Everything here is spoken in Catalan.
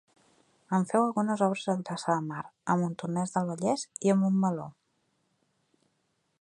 En feu algunes obres a Vilassar de Mar, a Montornès del Vallès i a Montmeló.